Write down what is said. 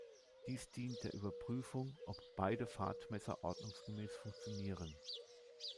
Dies dient der Überprüfung, ob beide Fahrtmesser ordnungsgemäß funktionieren.